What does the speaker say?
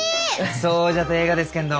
そうじゃとえいがですけんど。